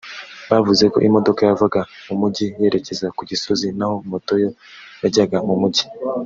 bavuze ko imodoka yavaga mu mujyi yerekeza ku Gisozi naho moto yo yajyaga mu mujyi